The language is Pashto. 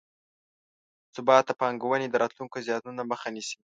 ثبات د پانګونې د راتلونکو زیانونو مخه نیسي.